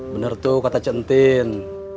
bener tuh kata centin